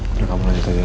udah kamu lanjut aja